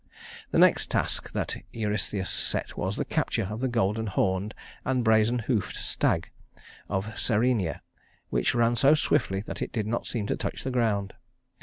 The next task that Eurystheus set was the capture of the golden horned and brazen hoofed stag of Cerynea, which ran so swiftly that it did not seem to touch the ground.